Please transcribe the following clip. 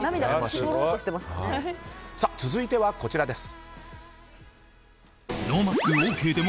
続いては、こちらです。